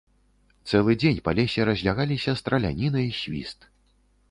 Цэлы дзень па лесе разлягаліся страляніна і свіст.